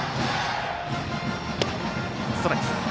ストライク。